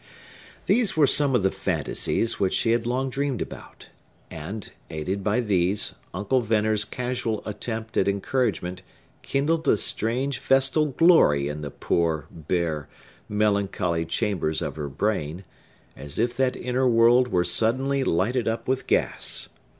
These were some of the fantasies which she had long dreamed about; and, aided by these, Uncle Venner's casual attempt at encouragement kindled a strange festal glory in the poor, bare, melancholy chambers of her brain, as if that inner world were suddenly lighted up with gas.